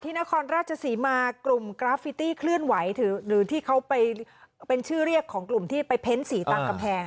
นครราชศรีมากลุ่มกราฟิตี้เคลื่อนไหวหรือที่เขาไปเป็นชื่อเรียกของกลุ่มที่ไปเพ้นสีตามกำแพง